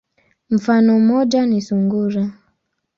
Mfano moja ni sungura.